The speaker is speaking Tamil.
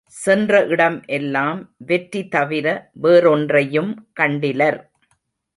சென்ற இடம் எல்லாம் வெற்றி தவிர வேறொன்றையும் கண்டிலர்.